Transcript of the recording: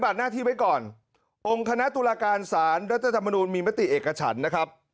หน้าที่ไว้ก่อนองค์คณะตุลาการสารรัฐธรรมนูลมีมติเอกฉันนะครับ